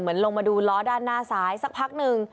เหมือนลงมาดูล้อด้านหน้าซ้ายสักพักนึง